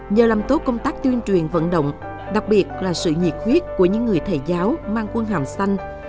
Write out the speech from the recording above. nhờ làm tốt công tác tuyên truyền vận động đặc biệt là sự nhiệt huyết của những người thầy giáo mang quân hàm xanh